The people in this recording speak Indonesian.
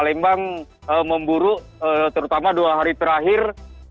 palembang memburu terutama dua hari terakhir